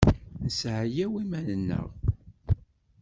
Nesseɛyaw iman-nneɣ.